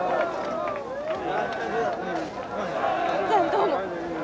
どうも。